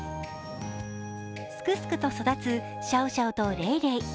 すくすくと育つシャオシャオとレイレイ。